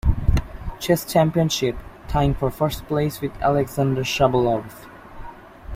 Chess Championship, tying for first place with Alexander Shabalov.